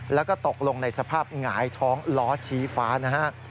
แล้วก็ตกลงในสภาพหงายท้องล้อชี้ฟ้านะฮะ